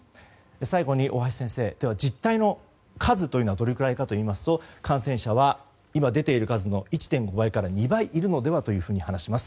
最後に大橋先生では、実態の数というのはどれぐらいかといいますと感染者は今出ている数の１．５倍から２倍いるのではと話します。